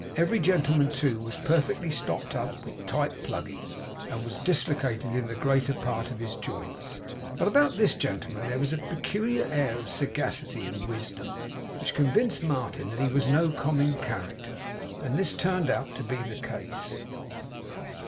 Every gentleman, too, was perfectly stopped up with tight plugging, and was dislocated in the greater part of his joints. But about this gentleman there was a peculiar air of sagacity and wisdom, which convinced Martin that he was no common character; and this turned out to be the case.